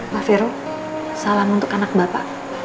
pak vero salam untuk anak bapak